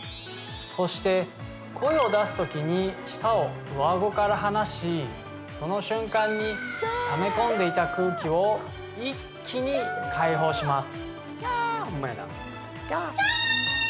そして声を出す時に舌を上あごから離しその瞬間にため込んでいた空気を一気に解放します